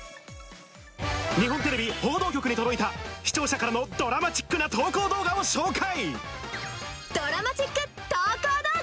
日本テレビ報道局に届いた視聴者からのドラマチックな投稿動画を紹介。